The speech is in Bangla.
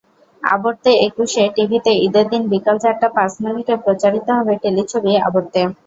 আবর্তেএকুশে টিভিতে ঈদের দিন বিকেল চারটা পাঁচ মিনিটে প্রচারিত হবে টেলিছবি আবর্তে।